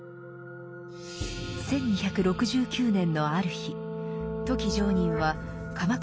１２６９年のある日富木常忍は鎌倉幕府の問注所